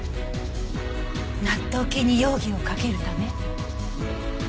納豆菌に容疑をかけるため？